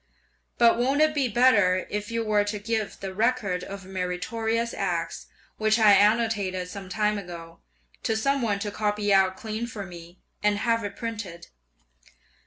But won't it be better if you were to give the "Record of Meritorious Acts," which I annotated some time ago, to some one to copy out clean for me, and have it printed?